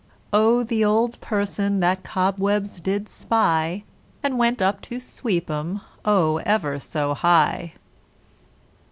O the Old person that cobwebs did spy, And went up to sweep 'em Oh ever so high!